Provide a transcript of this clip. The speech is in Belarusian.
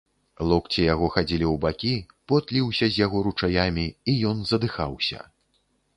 Локці яго хадзілі ў бакі, пот ліўся з яго ручаямі, і ён задыхаўся.